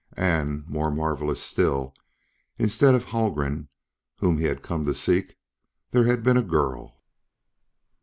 And, more marvelous still, instead of Haldgren, whom he had come to seek, there had been a girl!